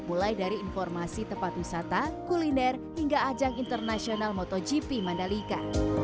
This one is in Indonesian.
mulai dari informasi tempat wisata kuliner hingga ajang internasional motogp mandalika